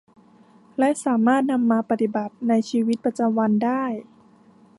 และสามารถนำมาปฏิบัติในชีวิตประจำวันได้